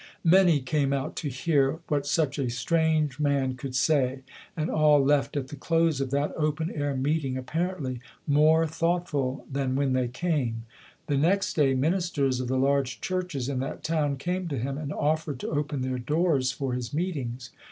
Many came out to hear what such a strange man could say and all left at the close of that open air meeting apparently more thoughtful 32 ] UNSUNG HEROES than when they came. The next day ministers of the large churches in that town came to him and offered to open their doors for his meetings.